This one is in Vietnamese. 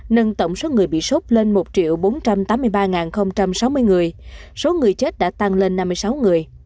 nâng tổng số người bị sốt lên một bốn trăm tám mươi ba sáu mươi người số người chết đã tăng lên năm mươi sáu người